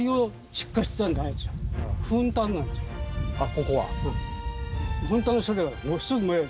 ここは。